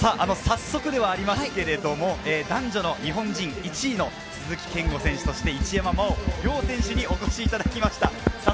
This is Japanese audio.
早速ではありますけれど、男女の日本人１位の鈴木健吾選手、そして一山麻緒、両選手にお越しいただきました。